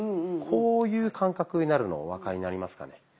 こういう感覚になるのお分かりになりますかね。